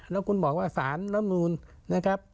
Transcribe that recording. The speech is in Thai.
แล้วคุณบอกว่าสารรัฐมนุษย์